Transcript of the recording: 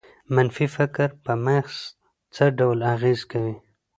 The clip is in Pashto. منفي فکر په مغز څه ډول اغېز کوي؟